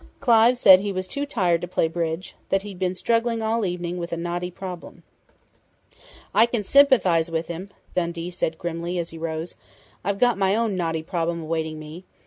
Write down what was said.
Clive said he was too tired to play bridge that he'd been struggling all evening with a knotty problem." "I can sympathize with him!" Dundee said grimly, as he rose. "I've got my own knotty problem awaiting me....